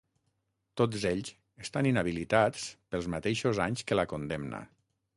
Tots ells estan inhabilitats pels mateixos anys que la condemna.